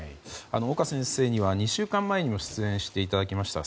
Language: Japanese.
岡先生には２週間前にも出演していただきました。